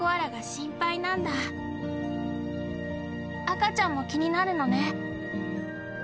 赤ちゃんも気になるのね。